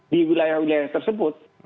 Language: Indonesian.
di wilayah wilayah tersebut